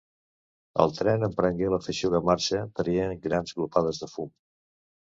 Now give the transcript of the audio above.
El tren emprengué la feixuga marxa traient grans glopades de fum.